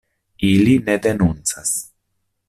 Ili ne denuncas.